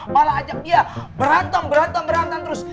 malah ajak dia berantem berantem terus